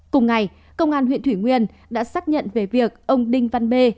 cùng ngày công an huyện thủy nguyên đã xác nhận về việc ông đinh văn bê